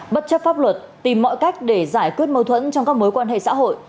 bất chấp pháp luật tìm mọi cách để giải quyết mâu thuẫn trong các mối quan hệ xã hội